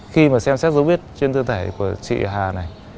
khi mà xem xét dấu viết trên thư thể của chị hà này